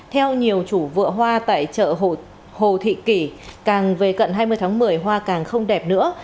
theo nhiều chủ vựa hoa tại chợ hồ thị kỷ càng về cận hai mươi tháng một mươi hoa càng không đẹp nữa